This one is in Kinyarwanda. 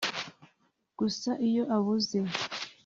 gusa iyo abuze